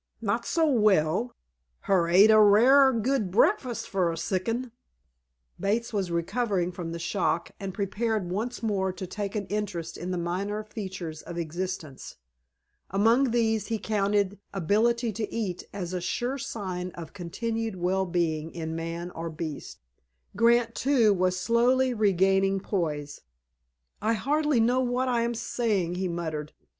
"Not so well! Her ate a rare good breakfast for a sick 'un!" Bates was recovering from the shock, and prepared once more to take an interest in the minor features of existence. Among these he counted ability to eat as a sure sign of continued well being in man or beast. Grant, too, was slowly regaining poise. "I hardly know what I am saying," he muttered.